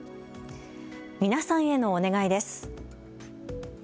皆さんへのお願いです。